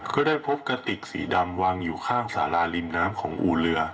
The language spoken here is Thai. ก็ได้พบกระติกสีดำวางอยู่ข้างสาราริมน้ำของอู่เรือ